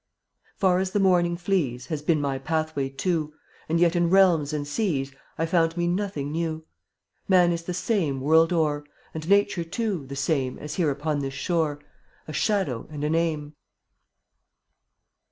Far as the morning flees Has been my pathway, too, And yet in realms and seas I found me nothing new. Man is the same, world o'er, And nature, too, the same As here upon this shore — A shadow and a name.